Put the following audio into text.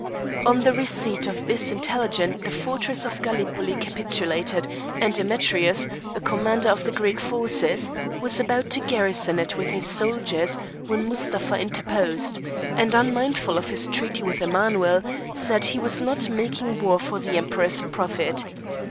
On receipt of this intelligence the fortress of Gallipoli capitulated, and Demetrius, the commander of the Greek forces, was about to garrison it with his soldiers when Mustapha interposed, and, unmindful of his treaty with Emanuel, said that he was not making war for the Emperor's profit.